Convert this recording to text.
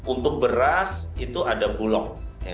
untuk beras itu ada bulog